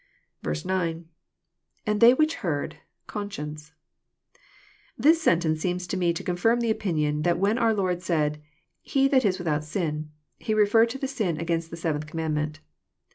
9. — [And they which heard,,. conscienceJ] This sentence seems to me to confirm the opinion, that when our Lord said *' he that is without sin, He referred to sin against the seventh command ment.